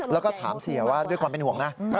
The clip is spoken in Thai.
แล้วก็ถามเสียว่าด้วยความเป็นห่วงนะ